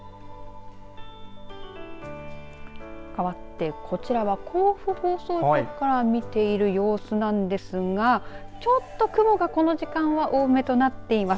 かわって、こちらは甲府放送局から見ている様子なんですがちょっと雲が、この時間は多めとなっています。